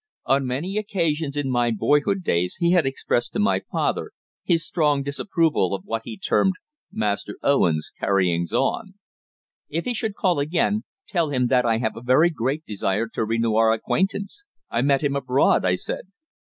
On many occasions in my boyhood days he had expressed to my father his strong disapproval of what he termed "Master Owen's carryings on." "If he should call again, tell him that I have a very great desire to renew our acquaintance. I met him abroad," I said.